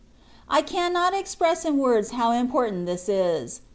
I cannot express in words how important this is.